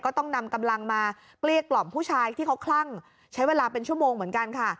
ต้องนำกำลังมาเกลี้ยกล่อมผู้ชายที่เขาคลั่งใช้เวลาเป็นชั่วโมงเหมือนกันค่ะ